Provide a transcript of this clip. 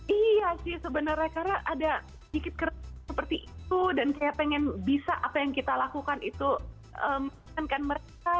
iya sih sebenarnya karena ada sedikit keras seperti itu dan saya pengen bisa apa yang kita lakukan itu menginginkan mereka